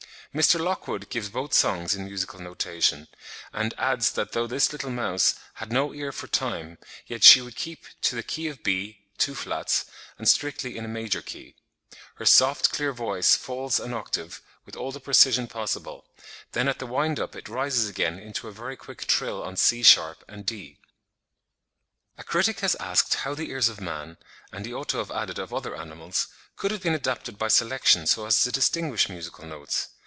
Mr. Lockwood gives both songs in musical notation; and adds that though this little mouse "had no ear for time, yet she would keep to the key of B (two flats) and strictly in a major key."..."Her soft clear voice falls an octave with all the precision possible; then at the wind up, it rises again into a very quick trill on C sharp and D." A critic has asked how the ears of man, and he ought to have added of other animals, could have been adapted by selection so as to distinguish musical notes.